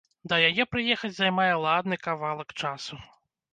Да яе прыехаць займае ладны кавалак часу.